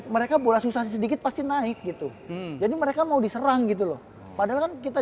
mereka bola susah sedikit pasti naik gitu jadi mereka mau diserang gitu loh padahal kan kita